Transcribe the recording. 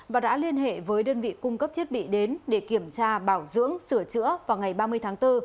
và đã liên hệ với đơn vị cung cấp thiết bị đến để kiểm tra bảo dưỡng sửa chữa vào ngày ba mươi tháng bốn